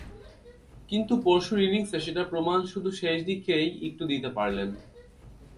কিন্তু পরশুর ইনিংসে সেটার প্রমাণ শুধু শেষ দিকেই একটু দিতে পারলেন।